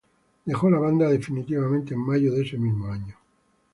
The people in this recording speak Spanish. Dejó la banda definitivamente en mayo de ese mismo año.